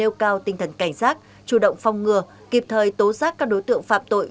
nêu cao tinh thần cảnh sát chủ động phong ngừa kịp thời tố xác các đối tượng phạm tội